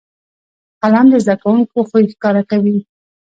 قلم د زده کوونکو خوی ښکاره کوي